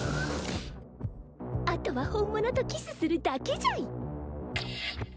あとは本物とキスするだけじゃい。